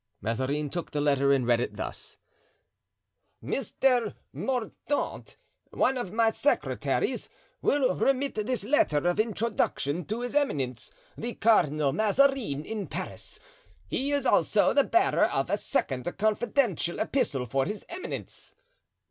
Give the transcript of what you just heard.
Mazarin took the letter and read it thus: "Mr. Mordaunt, one of my secretaries, will remit this letter of introduction to His Eminence, the Cardinal Mazarin, in Paris. He is also the bearer of a second confidential epistle for his eminence.